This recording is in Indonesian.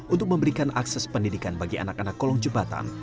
untuk memberikan akses pendidikan bagi anak anak kolong jembatan